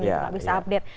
tidak bisa update